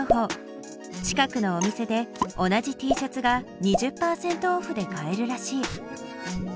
近くのお店で同じＴシャツが２０％オフで買えるらしい。